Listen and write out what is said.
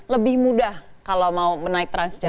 lebih mudah kalau mau menaik transjakarta